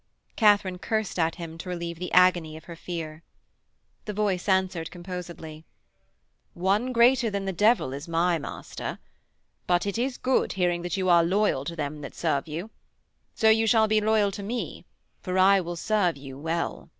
Katharine cursed at him to relieve the agony of her fear. The voice answered composedly: 'One greater than the devil is my master. But it is good hearing that you are loyal to them that serve you: so you shall be loyal to me, for I will serve you well.'